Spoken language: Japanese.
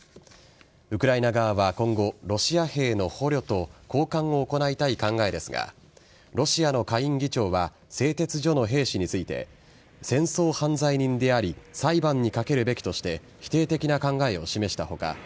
ウクライナ側は今後、ロシア兵の捕虜と交換を行いたい考えですがロシアの下院議長は製鉄所の兵士について戦争犯罪人であり裁判にかけるべきとして否定的な考えを示した他